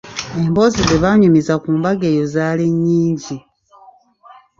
Emboozi zebaanyumiza ku mbaga eyo zaali nnyingi.